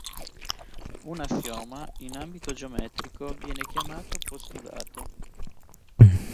Un assioma in ambito geometrico viene chiamato postulato.